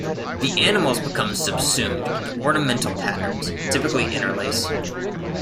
The animals become subsumed into ornamental patterns, typically interlace.